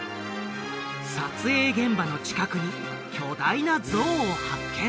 撮影現場の近くに巨大な像を発見！